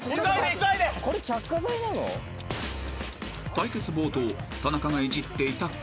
［対決冒頭田中がいじっていたこれ］